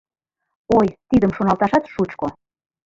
Ой, тидым шоналташат шучко.